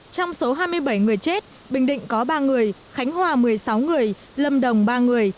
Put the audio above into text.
trong số hai mươi bảy người chết bình định có ba người khánh hòa một mươi sáu người lâm đồng ba người